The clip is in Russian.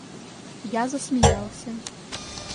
Я засмеялся.